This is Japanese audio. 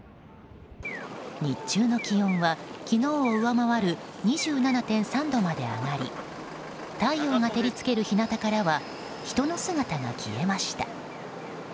日中の気温は昨日を上回る２７．３度まで上がり太陽が照り付ける日なたからは人の姿が消えました。